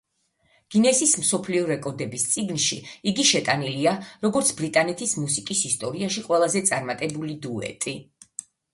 გინესის მსოფლიო რეკორდების წიგნში იგი შეტანილია, როგორც ბრიტანეთის მუსიკის ისტორიაში ყველაზე წარმატებული დუეტი.